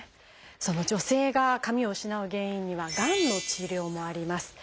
女性が髪を失う原因にはがんの治療もあります。